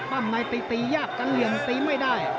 ในตีตียากกันเหลี่ยมตีไม่ได้